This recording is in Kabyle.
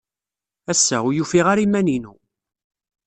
Ass-a, ur ufiɣ ara iman-inu.